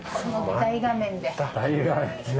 大画面でね。